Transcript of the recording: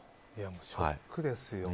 ショックですよ。